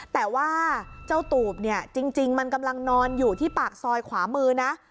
แต่ว่าเจ้าตูบเนี่ยจริงมันกำลังนอนอยู่ที่ปากซอยขวามือนะ